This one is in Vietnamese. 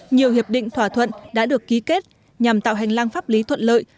nhiều hiệp định thỏa thuận đã được ký kết nhằm tạo hành lang pháp lý thuận lợi